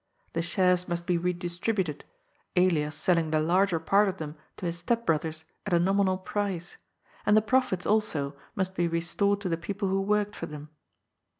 The shares must be redistributed, Elias selling the larger part of them to his step brothers at a nominal price, and the profits, also, most be restored to the people who worked for them.